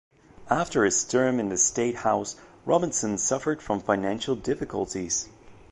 After his term in the state house, Robinson suffered from financial difficulties.